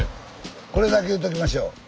これだけ言うときましょう。